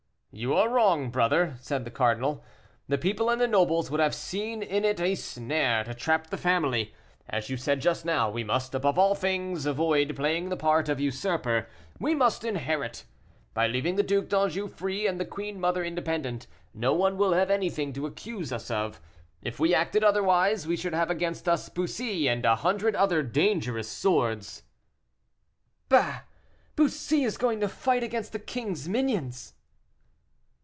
"You are wrong, brother," said the cardinal; "the people and the nobles would have seen in it a snare to entrap the family. As you said just now, we must, above all things, avoid playing the part of usurper. We must inherit. By leaving the Duc d'Anjou free, and the queen mother independent, no one will have anything to accuse us of. If we acted otherwise, we should have against us Bussy, and a hundred other dangerous swords." "Bah! Bussy is going to fight against the king's minions."